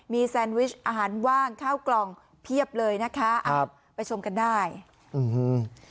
มีแซนวิชอาหารว่างข้าวกล่องเพียบเลยนะคะอ้าวไปชมกันได้อืม